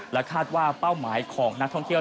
และคาดว่าเป้าหมายของนักท่องเที่ยว